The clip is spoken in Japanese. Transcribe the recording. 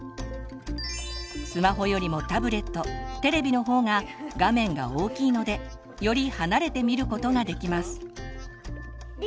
スマホよりもタブレットテレビの方が画面が大きいのでより離れて見ることができます。